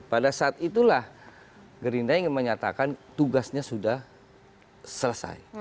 pada saat itulah gerindra ingin menyatakan tugasnya sudah selesai